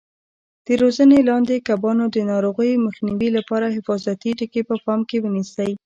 د روزنې لاندې کبانو د ناروغیو مخنیوي لپاره حفاظتي ټکي په پام کې ونیسئ.